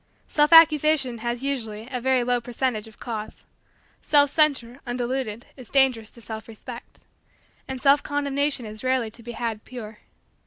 Self accusation has, usually, a very low percentage of cause. Self censure, undiluted, is dangerous to self respect. And self condemnation is rarely to be had pure.